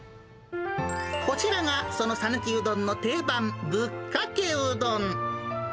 こちらがその讃岐うどんの定番、ぶっかけうどん。